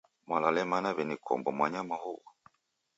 Mwalale mana w'eni Kombo mwanyama huw'o?